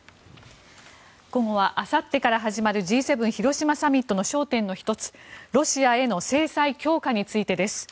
午後はあさってから始まるＧ７広島サミットの焦点の１つ、ロシアへの制裁強化についてです。